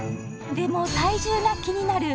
でも体重が気になる